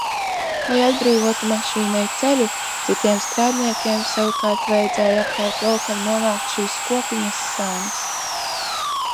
Lai atbrīvotu mašīnai ceļu, citiem strādniekiem savukārt vajadzēja apkārt laukam novākt šīs kopiņas sānis.